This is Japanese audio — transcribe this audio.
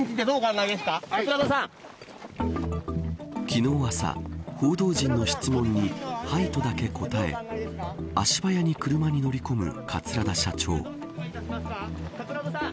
昨日朝、報道陣の質問にはいとだけ答え足早に車に乗り込む桂田社長。